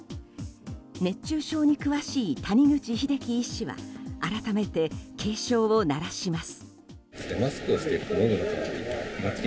熱中症に詳しい谷口英喜医師は改めて警鐘を鳴らします。